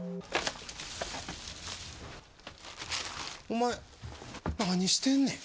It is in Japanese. お前何してんねん？